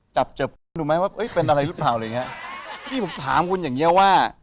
ฉันบอกว่าไม่ยอม